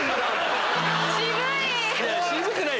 渋い！